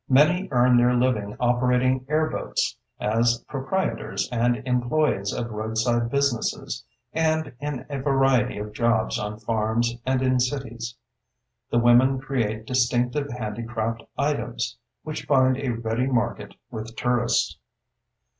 Many earn their living operating air boats, as proprietors and employees of roadside businesses, and in a variety of jobs on farms and in cities. The women create distinctive handicraft items, which find a ready market with tourists.